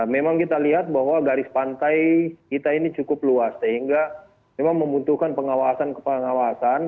memang kita lihat bahwa garis pantai kita ini cukup luas sehingga memang membutuhkan pengawasan kepengawasan